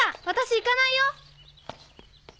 私行かないよ。